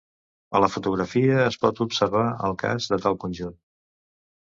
A la fotografia es pot observar el cas de tal conjunt.